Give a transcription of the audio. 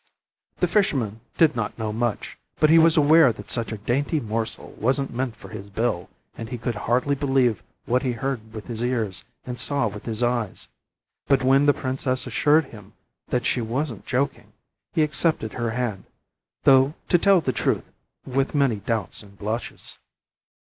The fisherman did not know much, but he was aware that such a dainty morsel wasn't meant for his bill, and he could hardly believe what he heard with his ears and saw with his eyes; but when the princess assured him that she wasn't joking, he accepted her hand, though to tell the truth with many doubts and blushes.